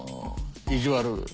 意地悪！